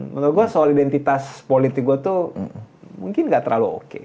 menurut gue soal identitas politik gue tuh mungkin gak terlalu oke